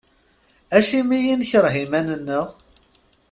Acimi i nekreh iman-nneɣ?